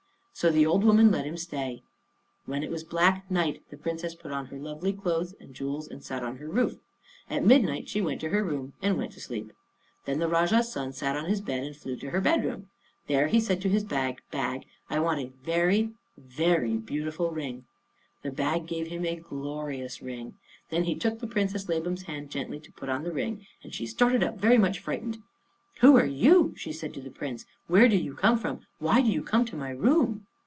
So the old woman let him stay. When it was black night, the Princess put on her lovely clothes and jewels and sat on her roof. At midnight she went to her room and went to sleep. Then the Rajah's son sat on his bed and flew to her bed room. There he said to his bag, "Bag, I want a very, very beautiful ring." The bag gave him a glorious ring. Then he took the Princess Labam's hand gently to put on the ring, and she started up very much frightened. "Who are you?" she said to the Prince. "Where do you come from? Why do you come to my room?"